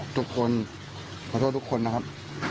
ทุกคนขอโทษทุกคนนะครับ